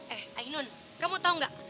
eh ainun kamu tau gak